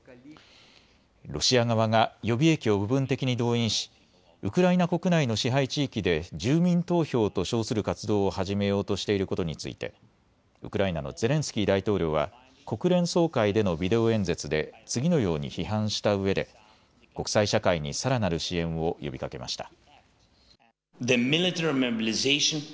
ロシア側が予備役を部分的に動員しウクライナ国内の支配地域で住民投票と称する活動を始めようとしていることについてウクライナのゼレンスキー大統領は国連総会でのビデオ演説で次のように批判したうえで国際社会にさらなる支援を呼びかけました。